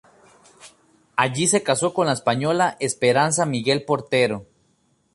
Allí se casó con la española Esperanza Miguel Portero.